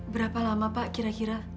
berapa lama pak kira kira